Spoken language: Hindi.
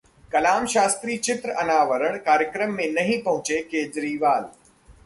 कलाम-शास्त्री चित्र अनावरण कार्यक्रम में नहीं पहुंचे केजरीवाल